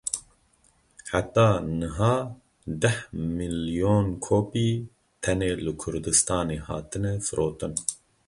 Heta niha deh milyon kopî tenê li Kurdistanê hatine firotin.